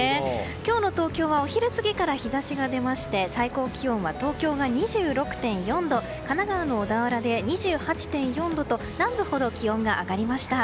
今日の東京はお昼過ぎから日差しが出まして最高気温は東京が２６．４度神奈川の小田原で２８．４度と南部ほど気温が上がりました。